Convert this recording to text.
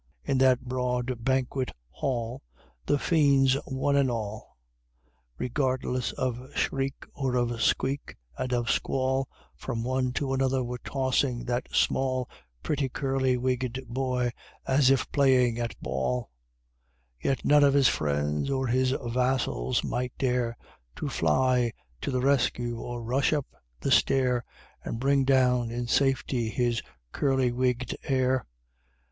In that broad banquet hall The fiends one and all Regardless of shriek, and of squeak, and of squall, From one to another were tossing that small Pretty, curly wigged boy, as if playing at ball; Yet none of his friends or his vassals might dare To fly to the rescue or rush up the stair, And bring down in safety his curly wigged Heir!